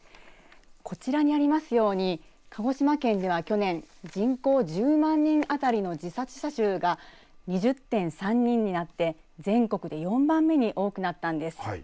こちらにありますように鹿児島県では、去年人口１０万人当たりの自殺者数が２０．３人になって、全国で４番目に多くなったんです。